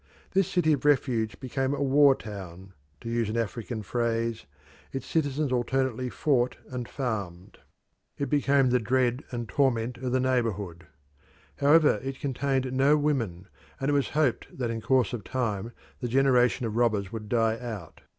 This city of refuge became a war town to use an African phrase its citizens alternately fought and farmed; it became the dread and torment of the neighbourhood. However, it contained no women, and it was hoped that in course of time the generation of robbers would die out.